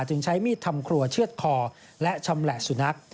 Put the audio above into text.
จึงใช้มีดทำครัวเชื่อดคอและชำแหละสุนัข